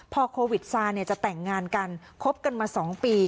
พอโควิดซาจะแต่งงานกันครบกันมาสองปี